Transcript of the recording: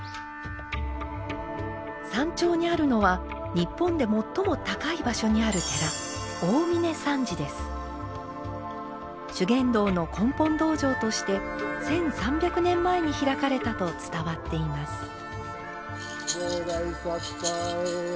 山頂にあるのは日本で最も高い場所にある寺修験道の根本道場として１，３００年前に開かれたと伝わっています。